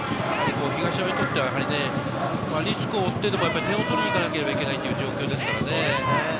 東山にとってはリスクを負ってでも点を取りに行かなければいけないという状況ですからね。